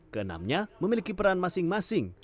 keenamnya memiliki peran masing masing